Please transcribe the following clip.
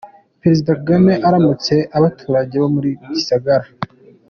Perezida Kagame aramutsa abaturage bo muri Gisagara.